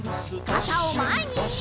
かたをまえに！